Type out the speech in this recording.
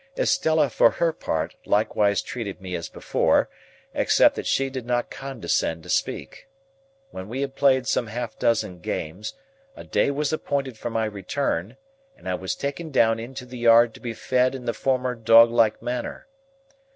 Estella, for her part, likewise treated me as before, except that she did not condescend to speak. When we had played some half dozen games, a day was appointed for my return, and I was taken down into the yard to be fed in the former dog like manner.